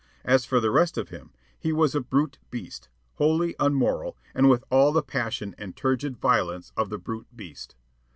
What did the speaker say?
As for the rest of him, he was a brute beast, wholly unmoral, and with all the passion and turgid violence of the brute beast.